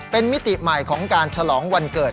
เป็นมิติใหม่ของการฉลองวันเกิด